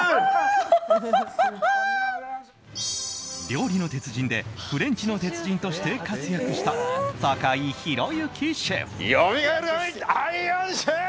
「料理の鉄人」でフレンチの鉄人として活躍した坂井宏行シェフ。